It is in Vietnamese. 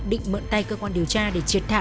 định mượn tay cơ quan điều tra để triệt thả